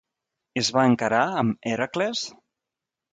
Es va encarar amb Hèracles?